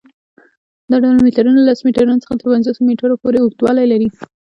دا ډول میټرونه له لس میټرو څخه تر پنځوس میټرو پورې اوږدوالی لري.